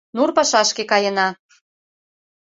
Нур пашашке каена.